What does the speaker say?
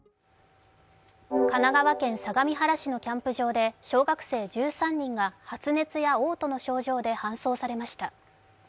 神奈川県相模原市のキャンプ場で小学生１３人が発熱やおう吐の症状で搬送されました。